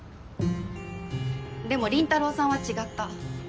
でも倫太郎さんは違った。